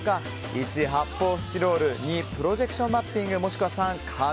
１、発泡スチロール２、プロジェクションマッピングもしくは３、紙。